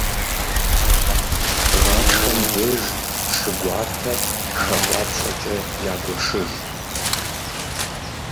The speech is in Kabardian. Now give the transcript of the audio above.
Гъатхэм деж шы гуартэр хакӏуапщӏэкӏэ ягуэшыж.